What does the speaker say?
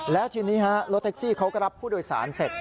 แล้วทีนี้ฮะรถแท็กซี่เขาก็รับผู้โดยสารเสร็จ